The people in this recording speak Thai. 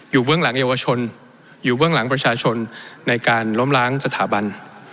เบื้องหลังเยาวชนอยู่เบื้องหลังประชาชนในการล้มล้างสถาบัน